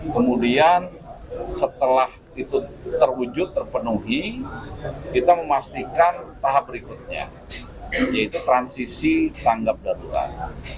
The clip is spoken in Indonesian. kemudian setelah itu terwujud terpenuhi kita memastikan tahap berikutnya yaitu transisi tanggap darurat